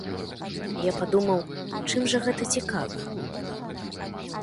Я падумаў, чым жа гэта цікава?